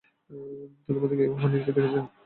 তোদের মধ্যে কে ভবানীকে দেখেছে?